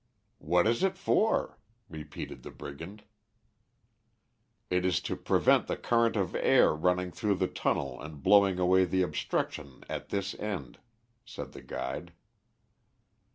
"What is it for?" repeated the brigand. "It is to prevent the current of air running through the tunnel and blowing away the obstruction at this end," said the guide.